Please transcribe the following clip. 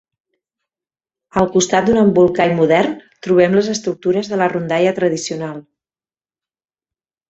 All costat d’un embolcall modern, trobem les estructures de la rondalla tradicional.